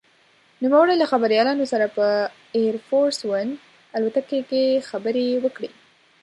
نوموړي له خبریالانو سره په «اېر فورس ون» الوتکه کې خبرې وکړې.